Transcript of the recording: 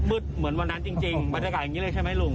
เหมือนวันนั้นจริงบรรยากาศอย่างนี้เลยใช่ไหมลุง